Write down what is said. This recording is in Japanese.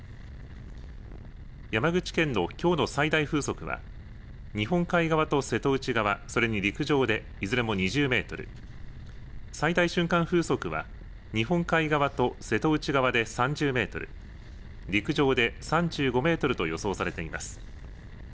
山口県のきょうの最大風速は、日本海側と瀬戸内側それに陸上でいずれも２０メートル、最大瞬間風速は日本海側と瀬戸内側で３０メートル、陸上で３５メートルと予想されています。